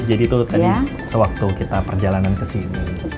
ibu jadi itu tadi sewaktu kita perjalanan ke sini